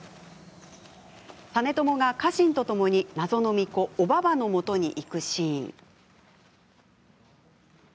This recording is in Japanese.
実朝が家臣とともに謎の巫女おばばのもとに行くシーン。